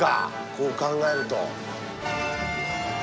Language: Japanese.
こう考えると。